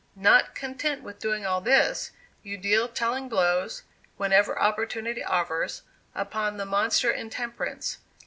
Not content with doing all this, you deal telling blows, whenever opportunity offers, upon the monster Intemperance.